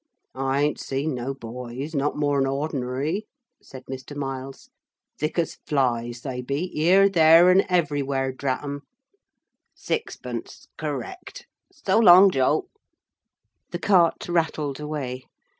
'I ain't seen no boys, not more'n ordinary,' said Mr. Miles. 'Thick as flies they be, here, there, and everywhere, drat 'em. Sixpence Correct. So long, Joe.' The cart rattled away.